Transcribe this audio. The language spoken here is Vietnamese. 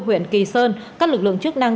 huyện kỳ sơn các lực lượng chức năng